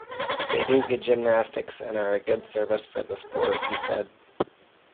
"They do good gymnastics and are a good service for the sport," he said.